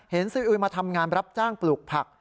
เห็นซีอุยมาทำงานรับจ้างปลูกผัก